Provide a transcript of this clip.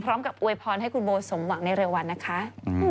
พร้อมกับอวยพรให้คุณโบสมหวังในเรียววันนะคะ